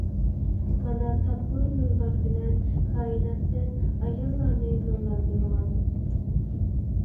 مانا تاپقۇر نۇرلار بىلەن كائىناتتىن ئاياللارنى نۇرلاندۇرغان!